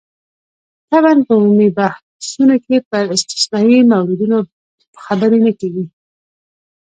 طبعاً په عمومي بحثونو کې پر استثنايي موردونو خبرې نه کېږي.